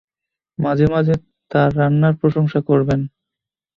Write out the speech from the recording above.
মাঝে মাঝে তার রান্নার প্রশংসা করবেন।